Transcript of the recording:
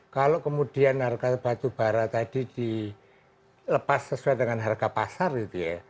kalau kemudian harga batubara tadi dilepas sesuai dengan harga pasar gitu ya